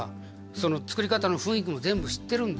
「作り方の雰囲気も全部知ってるんで」